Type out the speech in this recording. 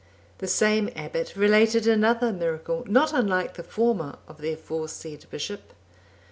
The same abbot related another miracle, not unlike the former, of the aforesaid bishop.